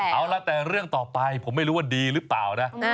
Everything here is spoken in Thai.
เอาล่ะแต่เรื่องต่อไปผมไม่รู้ว่าดีหรือเปล่านะ